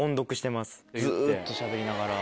ずっとしゃべりながら。